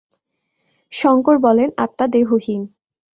শঙ্কর বলেন, আত্মা দেহহীন।